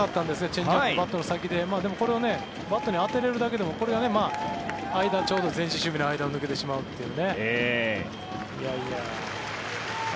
チェンジアップバットの先ででも、これをバットに当てられるだけでもこれがちょうど前進守備の間を抜けてしまうという。